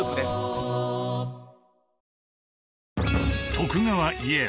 徳川家康